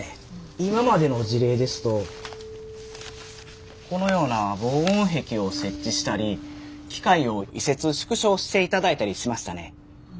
今までの事例ですとこのような防音壁を設置したり機械を移設縮小していただいたりしましたね。